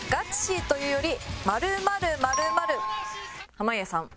濱家さん。